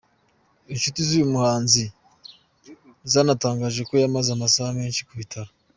Inshuti z’uyu muhanzi zatangaje ko yamaze amasaha menshi mu bitaro.